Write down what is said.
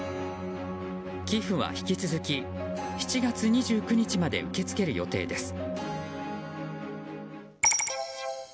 寄付は引き続き７月２９日まで受け付ける予定です。